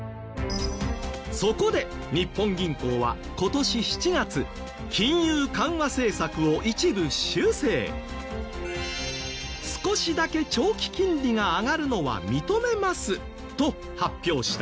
そこで日本銀行は「少しだけ長期金利が上がるのは認めます」と発表した。